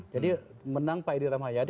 jadi menang pak edi ramayadi